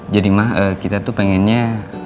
jadi ma kita tuh pengennya